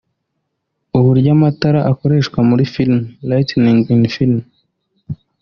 uburyo amatara akoreshwa muri film (Lighting in film)